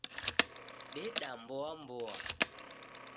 Deda mboa mboa